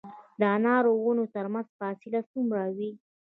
د انارو د ونو ترمنځ فاصله څومره وي؟